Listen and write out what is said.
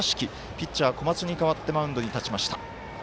ピッチャー、小松に代わってマウンドに立ちました。